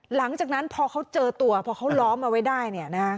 หลังจากนั้นพอเขาเจอตัวพอเขาล้อมเอาไว้ได้